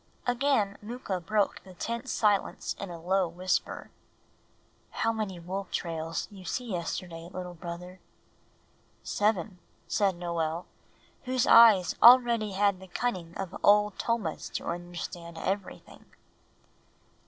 Again Mooka broke the tense silence in a low whisper. "How many wolf trails you see yesterday, little brother?" "Seven," said Noel, whose eyes already had the cunning of Old Tomah's to understand everything.